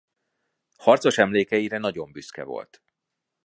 Harcos emlékeire nagyon büszke volt.